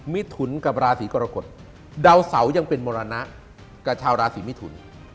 มิถุนกับราศีกรกฎดาวเสายังเป็นมรณะกับชาวราศีมิถุน